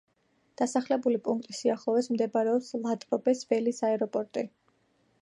დასახლებული პუნქტის სიახლოვეს მდებარეობს ლატრობეს ველის აეროპორტი.